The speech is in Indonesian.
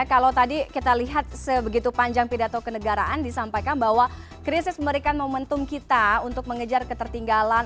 kalau tadi kita lihat sebegitu panjang pidato kenegaraan disampaikan bahwa krisis memberikan momentum kita untuk mengejar ketertinggalan